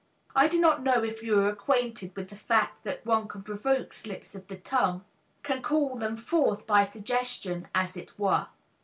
I do not know if you are acquainted with the fact that one can provoke slips of the tongue, can call them forth by suggestion, as it were.